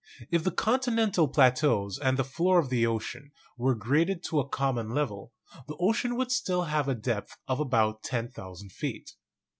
If the continental plateaus and the floor of the ocean were graded to a common level, the ocean would still have a depth of about 10,000 feet.